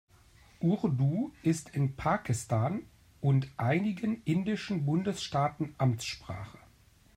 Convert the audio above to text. Urdu ist in Pakistan und einigen indischen Bundesstaaten Amtssprache.